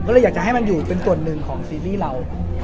ก็เลยอยากจะให้มันอยู่เป็นส่วนหนึ่งของซีรีส์เรา